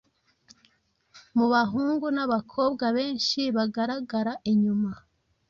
Mu bahungu n’abakobwa benshi bagaragara inyuma